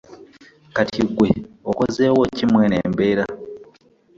Kati gwe okozeewo ki mweno embeera?